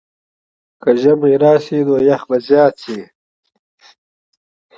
که ژمی راشي، نو یخ به زیات شي.